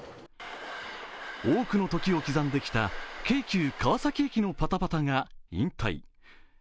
多くの時を刻んできた京急川崎駅のパタパタが引退。